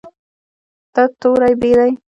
دا توری "ب" دی.